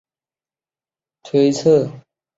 时人不能推测他的为人。